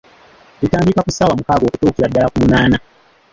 Bitandika ku ssaawa mukaaga okutuukira ddala ku munaana.